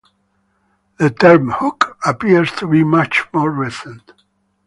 The term "kook" appears to be much more recent.